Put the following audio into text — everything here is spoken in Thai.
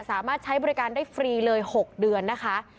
สามารถใช้บริการได้ฟรีเลย๖เดือนนะคะ